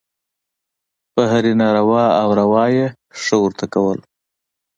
په هرې روا او ناروا یې «ښه» ورته کول.